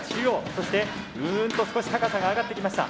そしてぐんと少し高さが上がってきました。